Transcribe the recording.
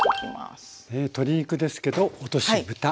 鶏肉ですけど落としぶた。